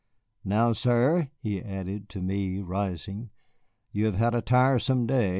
"Now, sir," he added to me, rising, "you have had a tiresome day.